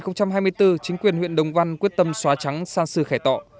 năm hai nghìn hai mươi bốn chính quyền huyện đồng văn quyết tâm xóa trắng san sư khẻ tọ